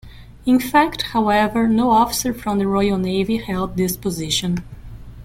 In fact, however, no officer from the Royal Navy held this position.